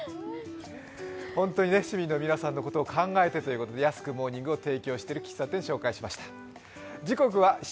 本当に、市民の皆さんのことを考えてということで安くモーニングを提供している喫茶店、紹介しました。